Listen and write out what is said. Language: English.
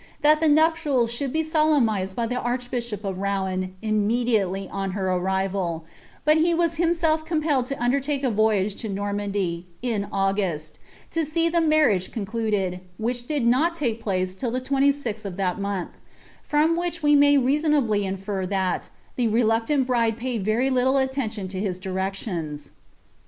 that ilie niiptinis should be solemnixed by the archbishop iif HoiK^ii titimediitlely on her arrival;' bnt he was himself com peLed ti uiKlr. TUke a voyage to Normandy, in Ansusi, lo see the inarriage con liideO. which did not lake place itll the 26ih of that month;' from ■ Inch we may Trasonably infer that ihe reluctant bride paid very liille ^diiun lo his dirtctiona.